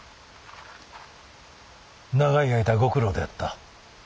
長い間ご苦労であった。